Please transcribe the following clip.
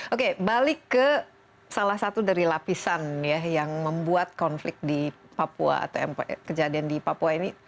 oke balik ke salah satu dari lapisan ya yang membuat konflik di papua atau kejadian di papua ini